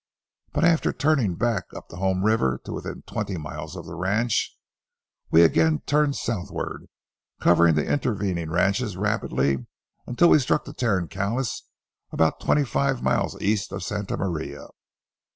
But after turning back up the home river to within twenty miles of the ranch, we again turned southward, covering the intervening ranches rapidly until we struck the Tarancalous about twenty five miles east of Santa Maria.